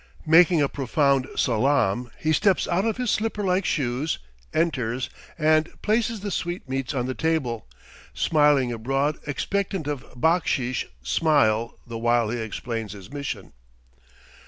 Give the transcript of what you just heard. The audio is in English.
Making a profound salaam, he steps out of his slipper like shoes, enters, and places the sweetmeats on the table, smiling a broad expectant of backsheesh smile the while he explains his mission.